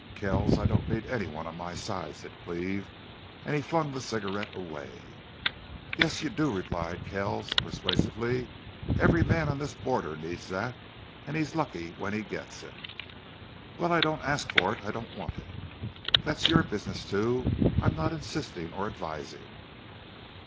"Kells, I don't need any one on my side," said Cleve, and he flung the cigarette away. "Yes, you do," replied Kells, persuasively. "Every man on this border needs that. And he's lucky when he gets it." "Well, I don't ask for it; I don't want it." "That's your own business, too. I'm not insisting or advising."